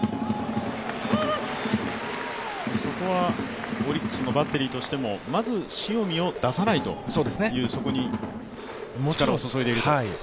そこはオリックスのバッテリーとしても、まず塩見を出さないという、そこに力を注いでいると。